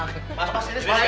mas ini semua emang ya